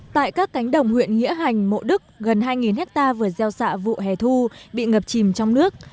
tại các cánh đồng huyện nghĩa hành mộ đức gần hai hectare vừa gieo xạ vụ hẻ thu bị ngập chìm trong nước